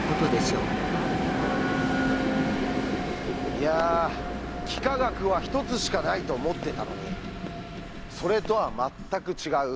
いや幾何学は１つしかないと思ってたのにそれとは全く違う